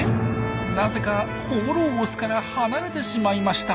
なぜか放浪オスから離れてしまいました。